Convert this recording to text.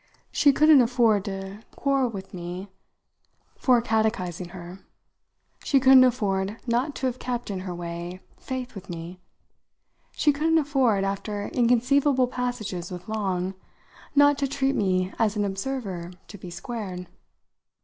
She couldn't afford to quarrel with me for catechising her; she couldn't afford not to have kept, in her way, faith with me; she couldn't afford, after inconceivable passages with Long, not to treat me as an observer to be squared.